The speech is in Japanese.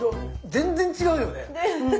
全然違うよ！